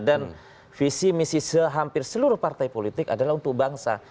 dan visi misi sehampir seluruh partai politik adalah untuk bangsa